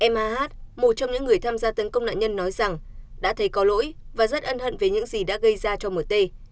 mhh một trong những người tham gia tấn công nạn nhân nói rằng đã thấy có lỗi và rất ân hận về những gì đã gây ra cho mẹ